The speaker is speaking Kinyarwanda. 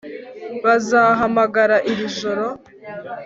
Bazahamagara iri joro